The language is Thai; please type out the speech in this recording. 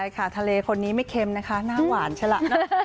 ใช่ค่ะทะเลคนนี้ไม่เค็มนะคะหน้าหวานใช่ล่ะ